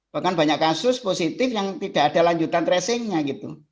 bahkan banyak kasus positif yang tidak ada lanjutan tracingnya gitu